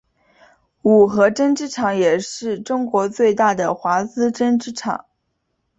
五和针织厂也是中国最大的华资针织厂。